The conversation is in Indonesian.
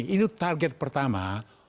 ini target pertama